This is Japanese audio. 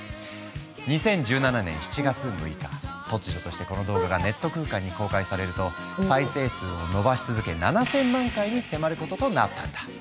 ２０１７年７月６日突如としてこの動画がネット空間に公開されると再生数を伸ばし続け７，０００万回に迫ることとなったんだ。